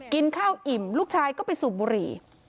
กินข้าวอิ่มลูกชายก็ไปสูบบุหรี่